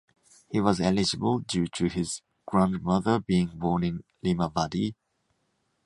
He was eligible due to his grandmother being born in Limavady.